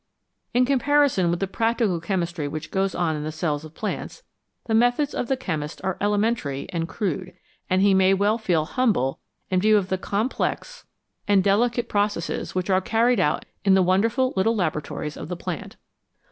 In comparison with the practical chemistry which goes on in the cells of plants, the methods of the chemist are elementary and crude, and he may well feel humble in view of the complex and delicate processes Ml CHEMISTRY AND AGRICULTURE which are carried out in the wonderful little laboratories of the plant.